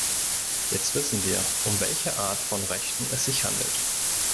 Jetzt wissen wir, um welche Art von Rechten es sich handelt.